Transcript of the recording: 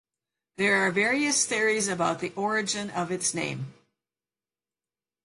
There are various theories about the origin of its name.